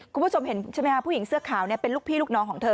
คุณผู้ชมเห็นใช่ไหมคะผู้หญิงเสื้อขาวเป็นลูกพี่ลูกน้องของเธอ